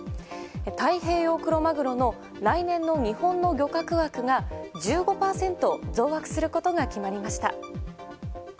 太平洋クロマグロの来年の日本の漁獲枠が１５％増枠することが決まりました。